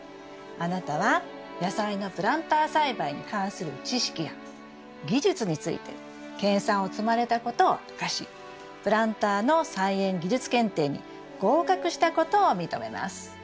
あなたは野菜のプランター栽培に関する知識や技術について研さんを積まれたことを証しプランターの菜園技術検定に合格したことを認めます」。